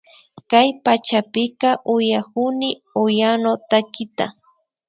Kay pachapika uyakuni huyano takita